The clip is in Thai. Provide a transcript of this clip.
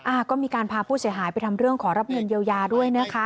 อ่าก็มีการพาผู้เสียหายไปทำเรื่องขอรับเงินเยียวยาด้วยนะคะ